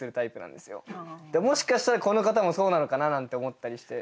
もしかしたらこの方もそうなのかななんて思ったりして。